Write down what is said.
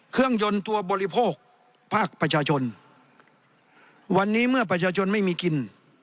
ยนต์ตัวบริโภคภาคประชาชนวันนี้เมื่อประชาชนไม่มีกิน